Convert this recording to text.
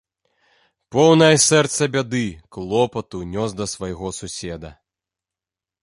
Поўнае сэрца бяды, клопату нёс да свайго суседа.